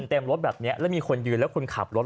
เต็มรถแบบนี้แล้วมีคนยืนแล้วคุณขับรถ